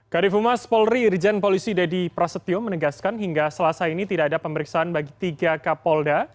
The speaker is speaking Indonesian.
kary fumas polri rijen polisi dedy prasetyo menegaskan hingga selasa ini tidak ada pemeriksaan bagi tiga kapolda